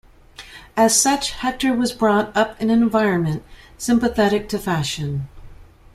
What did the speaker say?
As such, Hechter was brought up in an environment sympathetic to fashion.